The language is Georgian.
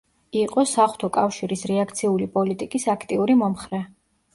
იყო საღვთო კავშირის რეაქციული პოლიტიკის აქტიური მომხრე.